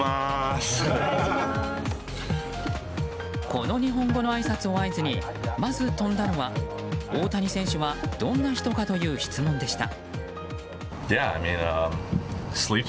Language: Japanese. この日本語のあいさつを合図にまず飛んだのは大谷選手はどんな人かという質問でした。